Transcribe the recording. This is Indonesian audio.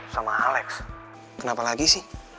sama alex kenapa lagi sih